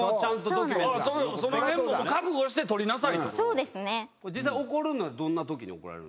そうですね。